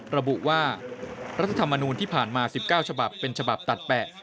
ระบุว่ารัฐธรรมนูลที่ผ่านมา๑๙ฉบับเป็นฉบับตัดแปะ